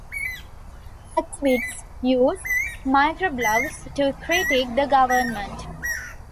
Activists use "microblogs" to critique the government.